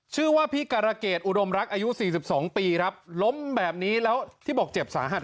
ชื่อว่าพี่การะเกดอุดมรักอายุสี่สิบสองปีครับล้มแบบนี้แล้วที่บอกเจ็บสาหัส